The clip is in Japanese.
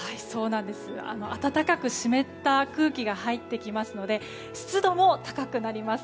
暖かく湿った空気が入ってきますので湿度も高くなります。